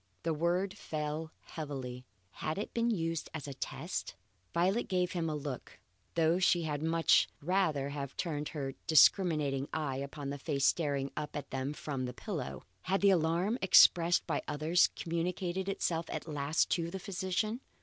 The word fell heavily. Had it been used as a test? Violet gave him a look, though she had much rather have turned her discriminating eye upon the face staring up at them from the pillow. Had the alarm expressed by others communicated itself at last to the physician?